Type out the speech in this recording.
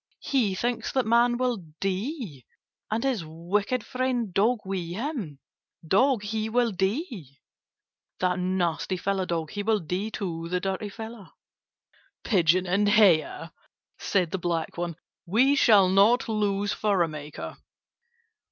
He thinks that Man will die, and his wicked friend Dog with him. Dog, he will die. That nasty fellow Dog. He will die too, the dirty fellow!" "Pigeon and Hare!" said the black one. "We shall not lose furrow maker."